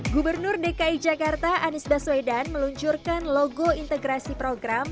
gubernur dki jakarta anies baswedan meluncurkan logo integrasi program